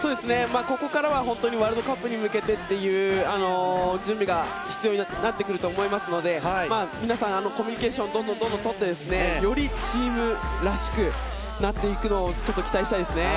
ここからはワールドカップに向けてっていう準備が必要になってくると思いますので皆さんコミュニケーションをどんどん取ってよりチームらしくなっていくのを期待したいですね。